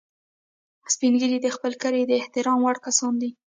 سپین ږیری د خپل کلي د احترام وړ کسان دي